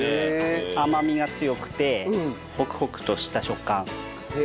甘みが強くてホクホクとした食感になりますね。